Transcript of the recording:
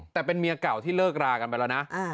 แต่เป็นเมียเก่าที่เลิกรากันไปแล้วนะ